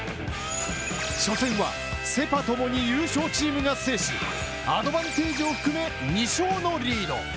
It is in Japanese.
所詮はセ・パ共に優勝チームが制し、アドバンテージを含め２勝のリード。